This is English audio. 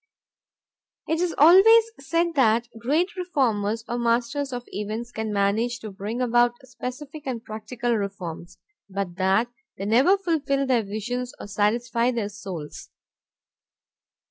It is always said that great reformers or masters of events can manage to bring about some specific and practical reforms, but that they never fulfill their visions or satisfy their souls.